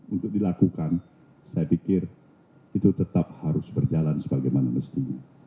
untuk dilakukan saya pikir itu tetap harus berjalan sebagaimana mestinya